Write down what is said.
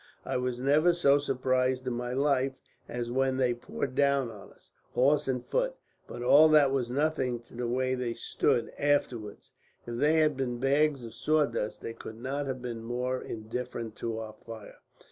I was never so surprised in my life as when they poured down on us, horse and foot; but all that was nothing to the way they stood, afterwards. If they had been bags of sawdust they could not have been more indifferent to our fire.